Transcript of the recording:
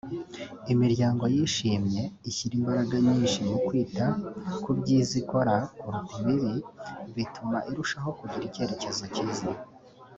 Imiryango yishimye ishyira imbaraga nyinshi mu kwita ku byiza ikora kuruta ibibi; Ibi bituma irushaho kugira icyerekezo cyiza